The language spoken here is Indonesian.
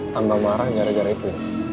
tambah marah gara gara itu